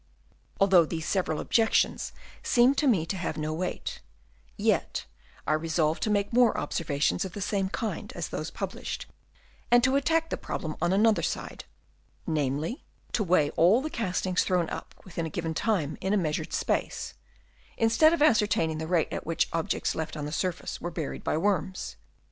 Although these several objections seemed to me to have no weight, yet I resolved to make more observations of the same kind as those published, and to attack the problem on another side ; namely, to weigh all the cast ings thrown up within a given time in a measured space, instead of ascertaining the rate at which objects left on the surface were buried by worms.